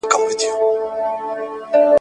په لمانځه کې سستي مه کوئ.